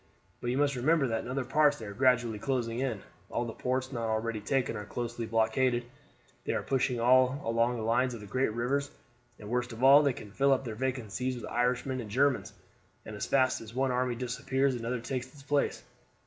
But you must remember that in other parts they are gradually closing in; all the ports not already taken are closely blockaded; they are pushing all along the lines of the great rivers; and worst of all, they can fill up their vacancies with Irishmen and Germans, and as fast as one army disappears another takes its place.